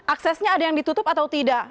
aksesnya ada yang ditutup atau tidak